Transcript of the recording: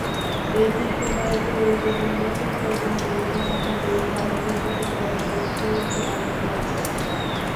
এটি সময়ের প্রয়োজনে নতুন প্রজন্মের নির্মাতাদের সহযোগিতা করার একটি প্ল্যাটফর্ম মাত্র।